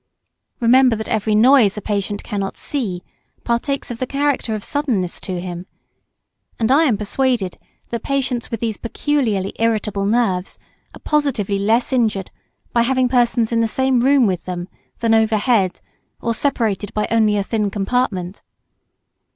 Remember that every noise a patient cannot see partakes of the character of suddenness to him; and I am persuaded that patients with these peculiarly irritable nerves, are positively less injured by having persons in the same room with them than overhead, or separated by only a thin compartment.